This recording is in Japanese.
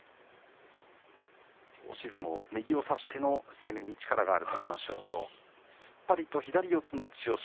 押し相撲、右を差しての攻めに力がある隆の勝と突っ張りと左四つの千代翔